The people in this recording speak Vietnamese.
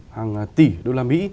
hàng tỷ đô la mỹ